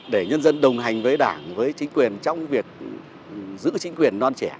để nhân dân đồng hành với đảng với chính quyền trong việc giữ chính quyền non trẻ